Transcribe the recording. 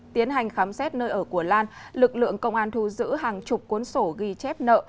tiến hành khám xét nơi ở của lan lực lượng công an thu giữ hàng chục cuốn sổ ghi chép nợ